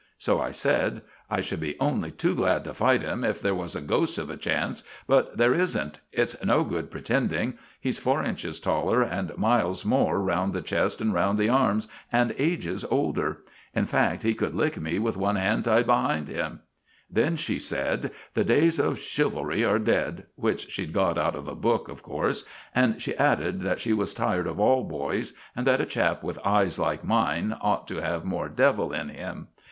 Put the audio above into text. So I said, 'I should be only too glad to fight him if there was a ghost of a chance, but there isn't. It's no good pretending. He's four inches taller, and miles more round the chest and round the arms, and ages older. In fact, he could lick me with one hand tied behind him.' Then she said, 'The days of chivalry are dead,' which she'd got out of a book, of course; and she added that she was tired of all boys, and that a chap with eyes like mine ought to have more 'devil' in him.